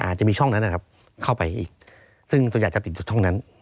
จะมีช่องนั้นเข้าไปอีกซึ่งส่วนใหญ่จะติดตรงช่องนั้น